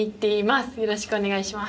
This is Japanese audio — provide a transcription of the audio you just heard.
よろしくお願いします。